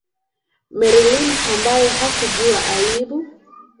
Marilyn, ambaye hakujua aibu